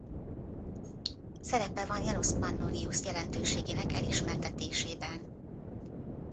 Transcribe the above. Szerepe van Janus Pannonius jelentőségének elismertetésében.